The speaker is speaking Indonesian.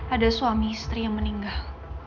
ada suami istri yang meninggal